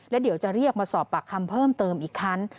แล้วเดี๋ยวจะเรียกมาสอบปากคำเพิ่มเติมอีกครั้ง